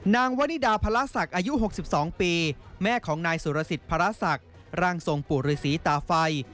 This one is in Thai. วนิดาพระศักดิ์อายุ๖๒ปีแม่ของนายสุรสิทธิ์พระศักดิ์ร่างทรงปู่ฤษีตาไฟ